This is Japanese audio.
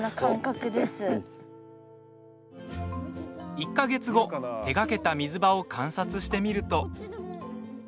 １か月後、手がけた水場を観察してみると。